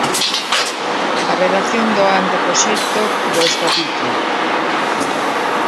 A redacción do anteproxecto do Estatuto.